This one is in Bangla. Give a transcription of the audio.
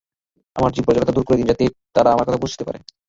আমার জিহ্বার জড়তা দূর করে দিন, যাতে তারা আমার কথা বুঝতে পারে।